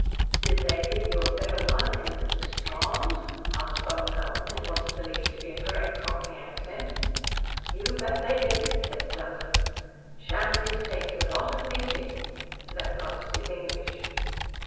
"Did they give you a better one in the Strawnd?" asked Baumgarten, in what he believed to be a correct Cockney accent. "You bet they didn't," said Selden. "Shandy's takes a lot of beating." That last is English.